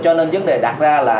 cho nên vấn đề đặt ra là